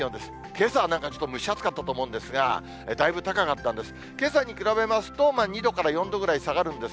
けさはなんかちょっと蒸し暑かったと思うんですが、だいぶ高かったんです。